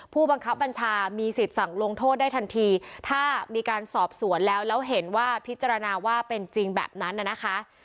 ผู้บังคับบัญชามีสิทธิ์สั่งลงโทษได้ทันทีถ้ามีการสอบสวนแล้วแล้วเห็นว่าพิจารณาว่าเป็นจริงแบบนั้นน่ะนะคะ